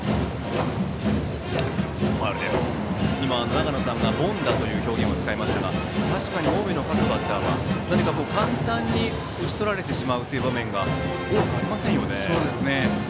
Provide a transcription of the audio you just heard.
長野さんが凡打という表現を使いましたが確かに近江の各バッターは簡単に打ち取られる場面が多くありませんよね。